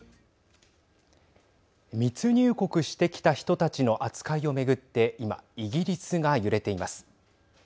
密入国してきた人たちの扱いを巡って今、イギリスが揺れています。